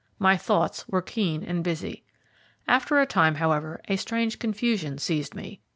My thoughts were keen and busy. After a time, however, a strange confusion seized me.